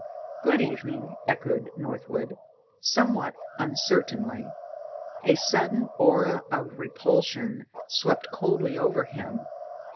"Good evening," echoed Northwood, somewhat uncertainly. A sudden aura of repulsion swept coldly over him.